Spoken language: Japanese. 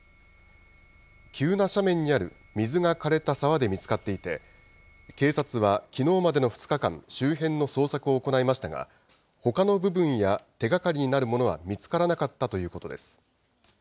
急な斜面にある水がかれた沢で見つかっていて、警察はきのうまでの２日間、周辺の捜索を行いましたが、ほかの部分や手がかりになるものは見つからなかったということです。